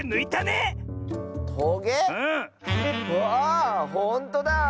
あほんとだ。